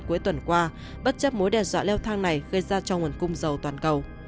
cuối tuần qua bất chấp mối đe dọa leo thang này gây ra cho nguồn cung dầu toàn cầu